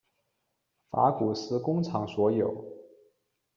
法古斯工厂所有。